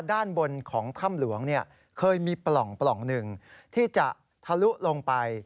ด้านบนของถ้ำหลวงเคยมีปล่องหนึ่งที่จะทะลุลงไป